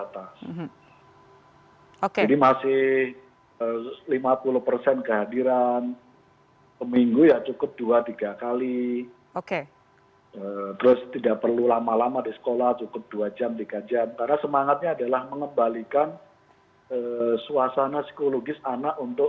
tending ting itu tetap harus kita laksanakan